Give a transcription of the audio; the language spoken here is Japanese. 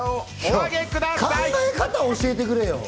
考え方を教えてくれよ！